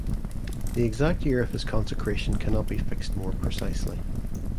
The exact year of his consecration cannot be fixed more precisely.